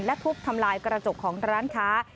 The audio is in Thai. และทุบทำลายกระจกของร้านค้า